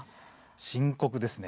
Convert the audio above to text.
深刻です。